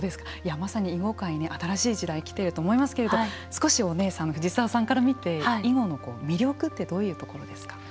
まさに囲碁界新しい時代に来ていると思いますけれど少しお姉さんの藤沢さんから見て囲碁の魅力ってどういうところですか。